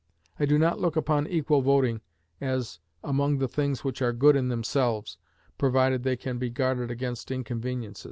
I do not look upon equal voting as among the things which are good in themselves, provided they can be guarded against inconveniences.